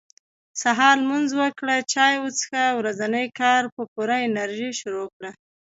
سهار لمونځ وکړه چاي وڅښه ورځني کار په پوره انرژي شروع کړه